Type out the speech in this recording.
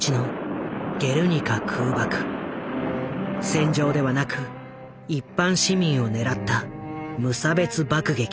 戦場ではなく一般市民を狙った無差別爆撃。